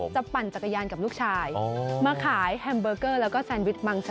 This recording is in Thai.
ปั่นจักรยานกับลูกชายมาขายแฮมเบอร์เกอร์แล้วก็แซนวิชมังส